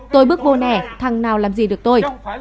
tôi bước vô nẻ thằng nào làm gì được tôi